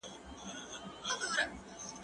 زه اجازه لرم چي موسيقي اورم،